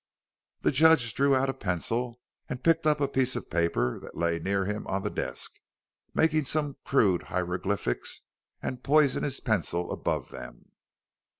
The judge drew out a pencil and picked up a piece of paper that lay near him on the desk, making some crude hieroglyphics and poising his pencil above them.